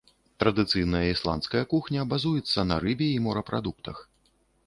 Традыцыйная ісландская кухня базуецца на рыбе і морапрадуктах.